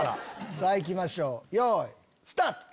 さぁいきましょうよいスタート！